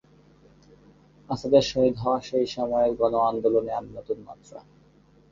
আসাদের শহীদ হওয়া সেই সময়ের গণ আন্দোলনে আনে নতুন মাত্রা।